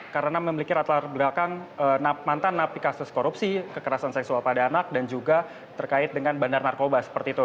karena memiliki ratlar belakang mantan napi kasus korupsi kekerasan seksual pada anak dan juga terkait dengan bandar narkoba